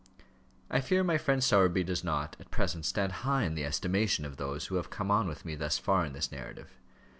I fear my friend Sowerby does not, at present, stand high in the estimation of those who have come on with me thus far in this narrative.